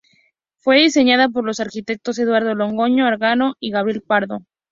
Fue diseñada por los arquitectos Eduardo Londoño Arango y Gabriel Pardo.